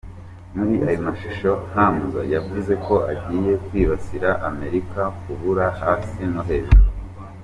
Muri ayo mashusho, Hamza yavuze ko agiye kwibasira Amerika kubura hasi no hejuru.